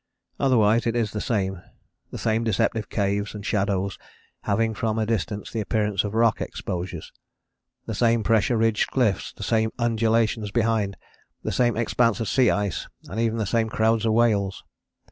Otherwise it is the same, the same deceptive caves and shadows having from a distance the appearance of rock exposures, the same pressure ridged cliffs, the same undulations behind, the same expanse of sea ice and even the same crowds of whales.